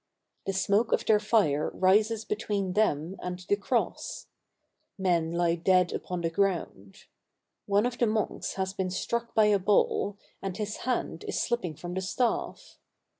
The smoke of their fire rises between them and the cross. Men lie dead upon the ground. One of the monks has been struck by a ball, and his hand is slipping from the staff.